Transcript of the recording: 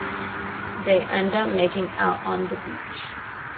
They end up making out on the beach.